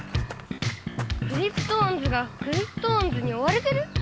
⁉クリプトオンズがクリプトオンズにおわれてる？